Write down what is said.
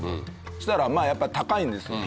そしたらやっぱ高いんですよ